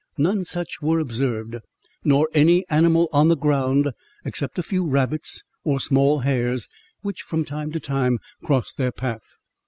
None such were observed, nor any animal on the ground, except a few rabbits, or small hares, which from time to time crossed their path.